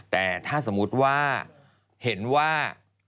แต่ถ้าสมมุติว่าเห็นว่า